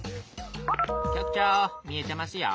局長見えてますよ。